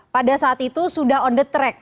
pada saat itu sudah on the track